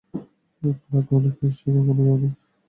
বেলা তো অনেক হয়েছে, এখনো খাওনি?